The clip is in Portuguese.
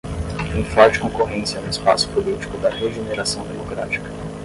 Tem forte concorrência no espaço político da regeneração democrática.